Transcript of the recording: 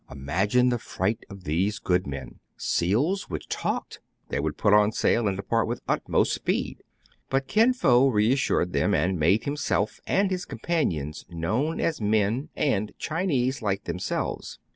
Imagine the fright of these good men. Seals which talked ! They would put on sail, and de part with utmost speed. But Kin Fo re assured them, and made himself and his companions known as men and Chinese like themselves.